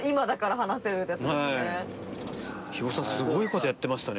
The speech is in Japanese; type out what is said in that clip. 邯紊気すごいことやってましたね。